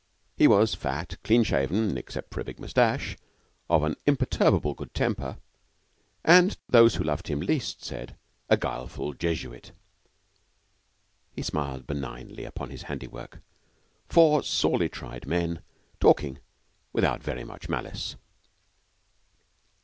He was fat, clean shaven, except for a big mustache, of an imperturbable good temper, and, those who loved him least said, a guileful Jesuit. He smiled benignantly upon his handiwork four sorely tried men talking without very much malice.